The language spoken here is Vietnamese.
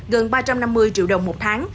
gần ba trăm năm mươi triệu đồng một tháng